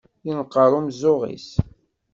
Yenqer umeẓẓuɣ-is.